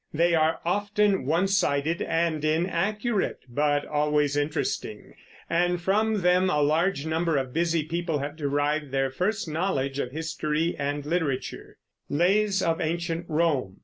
They are often one sided and inaccurate, but always interesting, and from them a large number of busy people have derived their first knowledge of history and literature.